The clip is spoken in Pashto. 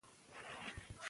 خدمت د ټولنې ګډ مسوولیت دی.